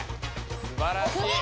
すばらしい！